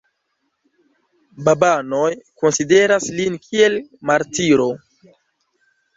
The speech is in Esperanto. Babanoj konsideras lin kiel martiro.